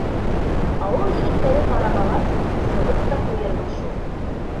— Ауыл егеттәре ҡарамағас, сығып та ҡуйырмын шул.